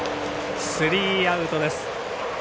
スリーアウトです。